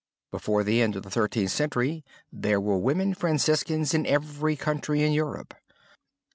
Before the end of the Thirteenth Century there were women Franciscans in every country in Europe.